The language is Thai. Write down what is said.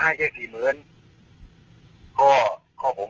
อ่าป้าก็ก็ให้๔๒๐๐๐